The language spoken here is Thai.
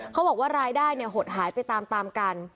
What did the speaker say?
เขาบอกว่ารายได้หดหายไปตามกัน